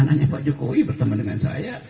anaknya pak jokowi berteman dengan saya